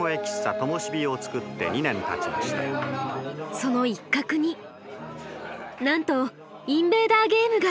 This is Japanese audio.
その一角になんとインベーダーゲームが。